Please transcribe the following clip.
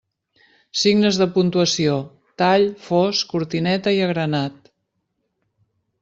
Signes de puntuació: tall, fos, cortineta i agranat.